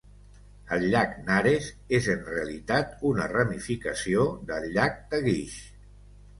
El llac Nares és en realitat una ramificació del llac Tagish.